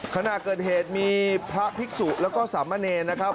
ขณะเกิดเหตุมีพระภิกษุแล้วก็สามเณรนะครับ